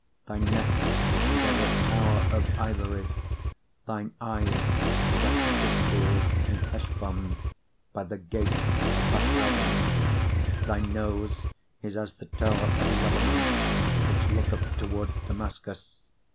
7:4 Thy neck is as a tower of ivory; thine eyes like the fishpools in Heshbon, by the gate of Bathrabbim: thy nose is as the tower of Lebanon which looketh toward Damascus.